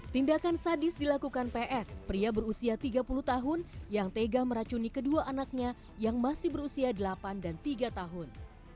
tindakan sadis dilakukan ps pria berusia tiga puluh tahun yang tega meracuni kedua anaknya yang masih berusia delapan dan tiga tahun